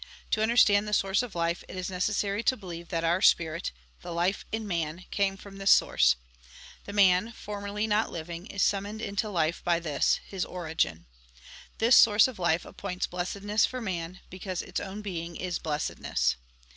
To understand the source of life, it is necessary to believe that our spirit, the life in man, came from this source. The man, formerly not living, is summoned into life by this, his origin. This source of life appoints blessedness for man, because its own being is blessedness.